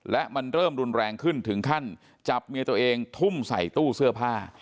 และมันเริ่มรุนแรงขึ้นถึงขั้นจับเมียตัวเองทุ่มใส่ตู้เสื้อผ้า